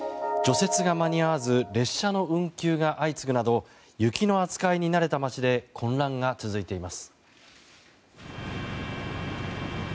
除雪が間に合わず列車の運休が相次ぐなど雪の扱いに慣れた街で混乱が続いています。